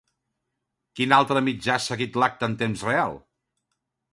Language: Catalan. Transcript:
Quin altre mitjà ha seguit l'acte en temps real?